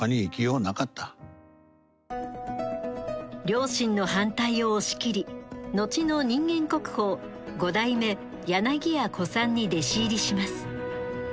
両親の反対を押し切り後の人間国宝五代目柳家小さんに弟子入りします。